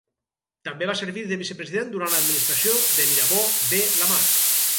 També va servir de vicepresident durant l'administració de Mirabeau B. Lamar.